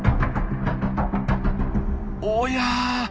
おや？